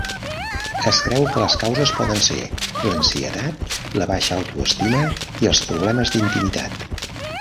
Es creu que les causes poden ser l"ansietat, la baixa auto-estima i els problemes d"intimitat.